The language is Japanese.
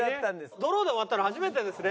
ドローで終わったの初めてですね。